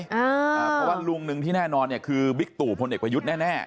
เพราะว่าลุงหนึ่งที่แน่นอนเนี่ยคือบิ๊กตู่พลเอกประยุทธ์แน่